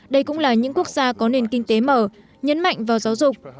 đây cũng là những quốc gia có nền kinh tế mở nhấn mạnh vào giáo dục